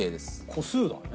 個数だよね。